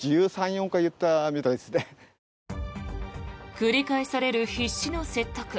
繰り返される必死の説得。